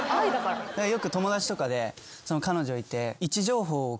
よく友達とかで彼女いて。